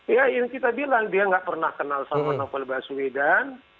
ya yang kita bilang dia nggak pernah kenal sama novel baswedan